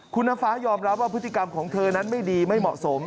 คุณน้ำฟ้ายอมรับว่าพฤติกรรมของเธอนั้นไม่ดีไม่เหมาะสม